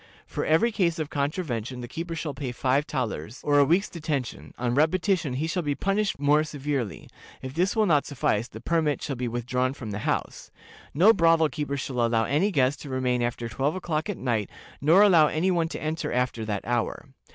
For every case of contravention the keeper shall pay five thalers, or a week's detention; on repetition, he shall be punished more severely; if this will not suffice, the permit shall be withdrawn from the house. No brothel keeper shall allow any guest to remain after twelve o'clock at night, nor allow any one to enter after that hour.